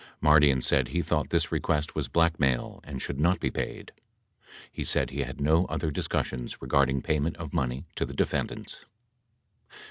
Mardian said he thought this request was blackmail and should not be paid. He said he had no other discussions regarding payment of money to the defendants.